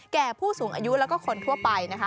ผู้สูงอายุแล้วก็คนทั่วไปนะคะ